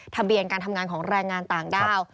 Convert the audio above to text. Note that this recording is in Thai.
ทะเบียนการทำงานของแรงงานต่างด้าว